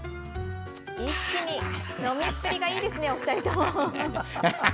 一気に飲みっぷりがいいですねお二人とも。